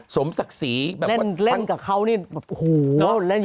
สมศักดิ์สีแบบว่าเล่นกับเขานี่แบบโอ้โหเล่นอยู่ในฉากเขาว่าโอ้โห